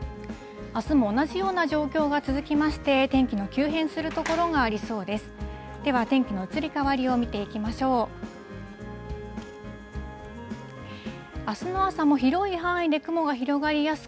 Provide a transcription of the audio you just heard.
あすも同じような状況が続きまして、天気の急変する所がありそうです。